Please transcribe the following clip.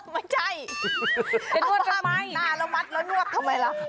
ไม่ใช่ไปนวดทำไมหน้าแล้วมัดแล้วนวดทำไมล่ะ